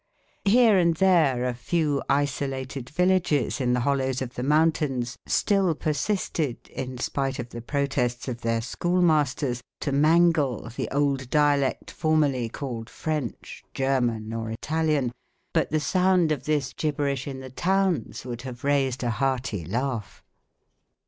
Here and there a few isolated villages in the hollows of the mountains still persisted, in spite of the protests of their schoolmasters, to mangle the old dialect formerly called French, German, or Italian, but the sound of this gibberish in the towns would have raised a hearty laugh.